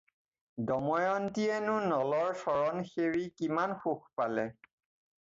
দয়মন্তীয়ে নো নলৰ চৰণ সেৱি কিমান সুখ পালে?